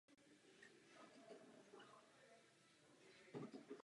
Dále bylo pro svou lehkost vhodné pro stavbu mostů a lodí.